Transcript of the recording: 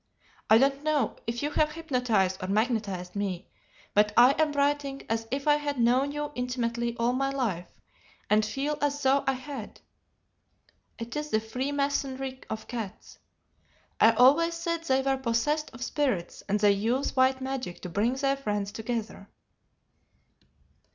I don't know if you have hypnotized or magnetized me, but I am writing as if I had known you intimately all my life, and feel as though I had. It is the freemasonry of cats. I always said they were possessed of spirits, and they use white magic to bring their friends together."